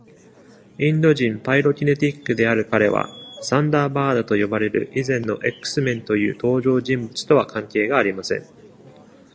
インド人パイロキネティックである彼は、サンダーバードと呼ばれる以前の X- メンという登場人物とは関係がありません。